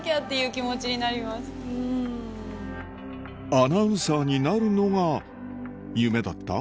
アナウンサーになるのが夢だった？